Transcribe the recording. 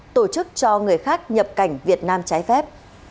tổ chức cho người khác nhập cảnh việt nam trái phép